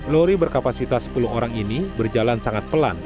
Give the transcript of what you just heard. lori berkapasitas sepuluh orang ini berjalan sangat pelan